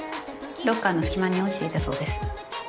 ロッカーの隙間に落ちていたそうです。